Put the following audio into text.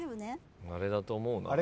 あれだと思うな。